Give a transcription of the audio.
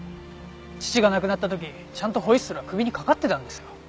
父が亡くなった時ちゃんとホイッスルは首に掛かってたんですよ。